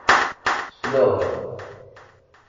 Sleɣ.